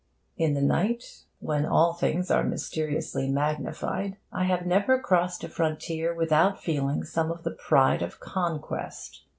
In the night, when all things are mysteriously magnified, I have never crossed a frontier without feeling some of the pride of conquest.